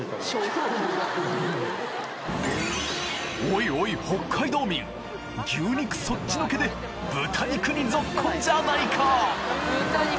おいおい北海道民牛肉そっちのけで豚肉にぞっこんじゃないか！